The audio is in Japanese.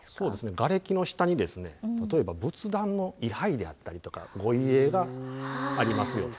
ガレキの下にですね例えば仏壇の位はいであったりとかご遺影がありますよと。